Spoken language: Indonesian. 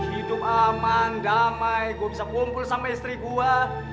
hidup aman damai gue bisa kumpul sama istri gue